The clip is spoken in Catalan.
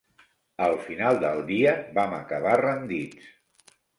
Al final del dia vam acabar rendits.